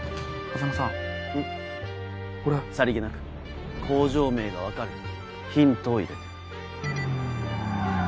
さりげなく工場名が分かるヒントを入れて。